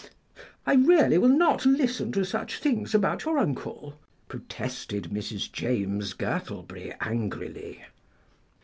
"I really will not listen to such things about your uncle," protested Mrs. James Gurtleberry angrily.